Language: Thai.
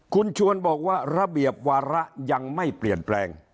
คุณชวนบอกว่าระเบียบวาระยังไม่เปลี่ยนแปลง